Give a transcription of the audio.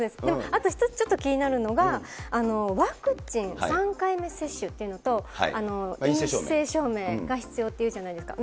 あと一つ、ちょっと気になるのが、ワクチン３回目接種というのと陰性証明が必要っていうじゃないですか。